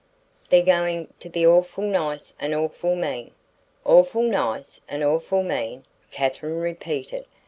"They're goin' to be awful nice and awful mean." "Awful nice and awful mean," Katherine repeated.